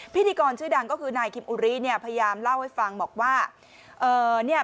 พิธีกรชื่อดังก็คือนายคิมอุริพยายามเล่าให้ฟังบอกว่า